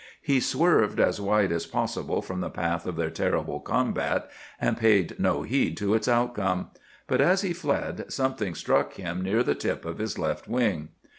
He swerved as wide as possible from the path of their terrible combat, and paid no heed to its outcome. But, as he fled, something struck him near the tip of his left wing.